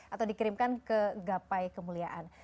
atau dikirimkan ke gapai kemuliaan